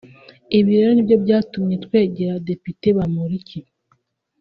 Ibi rero nibyo byatumye twegera Depite Bamporiki